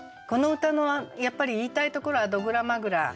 この歌のやっぱり言いたいところは「ドグラ・マグラ」